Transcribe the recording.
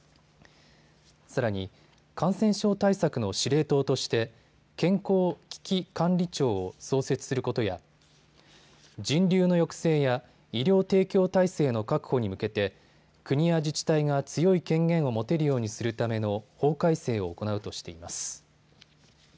さらに感染症対策の司令塔として健康危機管理庁を創設することや人流の抑制や医療提供体制の確保に向けて国や自治体が強い権限を持てるようにするための法改正を行うとしています。